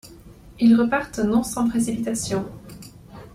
Ils repartent non sans précipitation.